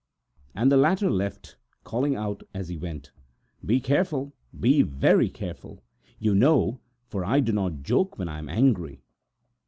And the latter left, calling out as he went: "Take care, you know, for I do not joke when I am angry!"